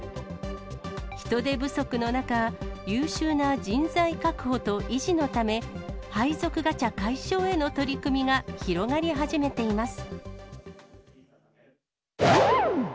人手不足の中、優秀な人材確保と維持のため、配属ガチャ解消への取り組みが広がり始めています。